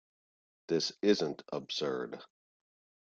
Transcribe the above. This isn't absurd.